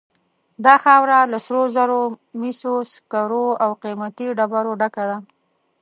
دا خاوره له سرو زرو، مسو، سکرو او قیمتي ډبرو ډکه ده.